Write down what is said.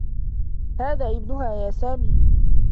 هذا ابنها يا سامي.